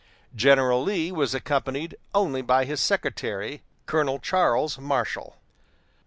General Lee was accompanied only by his secretary, Colonel Charles Marshall.